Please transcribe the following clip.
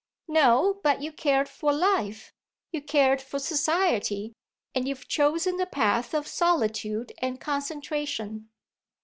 "No, but you cared for life, you cared for society, and you've chosen the path of solitude and concentration."